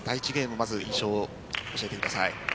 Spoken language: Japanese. まず印象を教えてください。